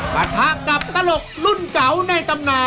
ปะทะกับตลกรุ่นเก่าในตำนาน